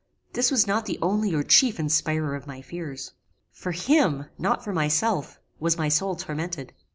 This was not the only or chief inspirer of my fears. For him, not for myself, was my soul tormented.